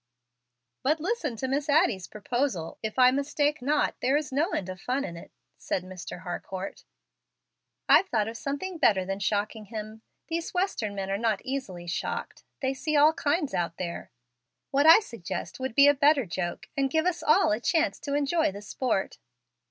"But listen to Miss Addie's proposal. If I mistake not, there is no end of fun in it," said Mr. Harcourt. "I've thought of something better than shocking him. These Western men are not easily shocked. They see all kinds out there. What I suggest would be a better joke, and give us all a chance to enjoy the sport.